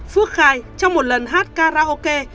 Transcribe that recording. phước khai trong một lần hát karaoke